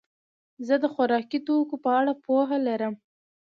زه د خوراکي توکو په اړه پوهه لرم.